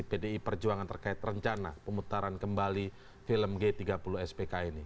pdi perjuangan terkait rencana pemutaran kembali film g tiga puluh spk ini